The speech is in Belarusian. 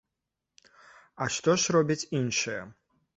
А што ж робяць іншыя?